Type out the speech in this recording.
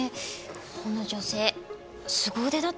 この女性すご腕だったんですね。